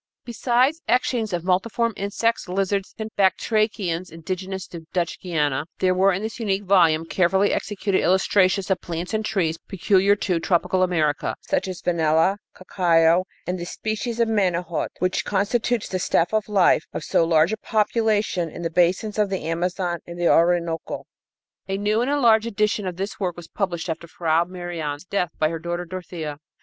Besides etchings of multiform insects, lizards and batrachians indigenous to Dutch Guiana, there were in this unique volume carefully executed illustrations of plants and trees peculiar to tropical America, such as vanilla, cacao, and the species of manihot which constitutes the staff of life of so large a portion of the population in the basins of the Amazon and the Orinoco. A new and enlarged edition of this work was published after Frau Merian's death by her daughter Dorothea.